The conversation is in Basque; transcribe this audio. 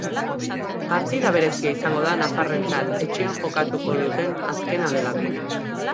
Partida berezia izango da nafarrentzat etxean jokatuko duten azkena delako.